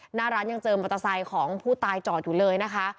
หน้าร้านยังเจอมอเตอร์ไซค์ของผู้ตายจอดอยู่เลยนะคะ